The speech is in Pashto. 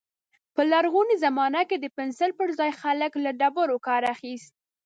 په لرغوني زمانه کې د پنسل پر ځای خلک له ډبرو کار اخيست.